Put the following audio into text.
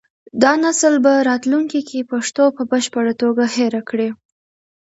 دا نسل به راتلونکي کې پښتو په بشپړه توګه هېره کړي.